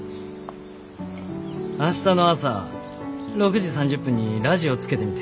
明日の朝６時３０分にラジオつけてみて。